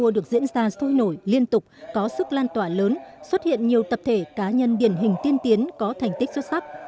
diễn ra sôi nổi liên tục có sức lan tỏa lớn xuất hiện nhiều tập thể cá nhân điển hình tiên tiến có thành tích xuất sắc